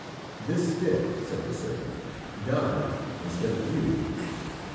"This stick," said the servant, "died instead of you.